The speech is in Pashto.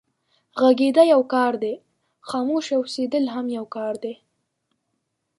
غږېدا يو کار دی، خاموشه اوسېدل هم يو کار دی.